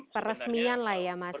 peresmian lah ya mas